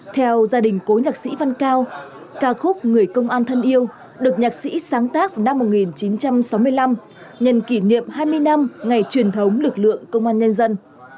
theo gia đình cố nhạc sĩ văn cao ca khúc người công an thân yêu được nhạc sĩ sáng tác năm một nghìn chín trăm sáu mươi năm nhận kỷ niệm hai mươi năm ngày truyền thống lực lượng công an nhân dân